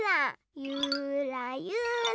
ゆらゆら。